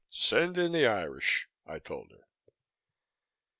"Send in the Irish," I told her.